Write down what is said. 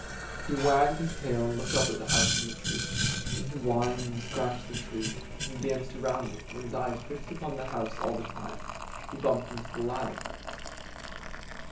He wagged his tail and looked up at the house in the tree; then he whined and scratched the tree, and as he danced about it, with his eyes fixed upon the house all the time, he bumped into the ladder.